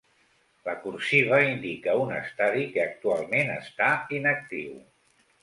La cursiva indica un estadi que actualment està inactiu.